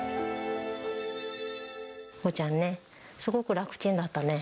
ここちゃんね、すごく楽ちんだったね。